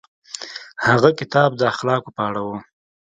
هغه کتاب د اخلاقو په اړه و.